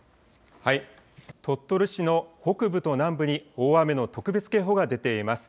鳥取市の北部と南部に、大雨の特別警報が出ています。